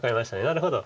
なるほど。